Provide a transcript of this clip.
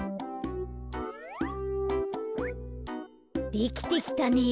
できてきたね。